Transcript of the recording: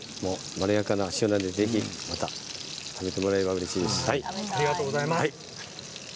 まろやかな塩なので食べてもらえればうれしいです。